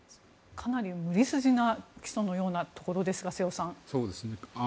かなり無理筋な起訴のようなところですが瀬尾さん。